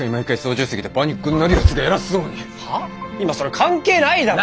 今それ関係ないだろ！